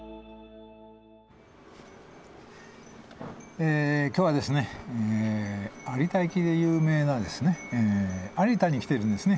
え今日は有田焼で有名な有田に来ているんですね。